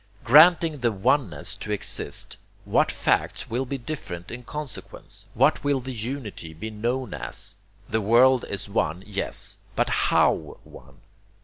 Granting the oneness to exist, what facts will be different in consequence? What will the unity be known as? The world is one yes, but HOW one?